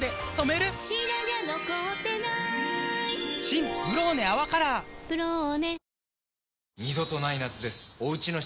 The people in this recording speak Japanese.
新「ブローネ泡カラー」「ブローネ」